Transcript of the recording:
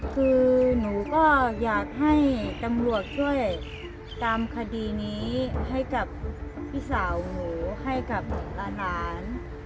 คือหนูก็อยากให้ตำรวจช่วยตามคดีนี้ให้กับพี่สาวหนูให้กับหลาน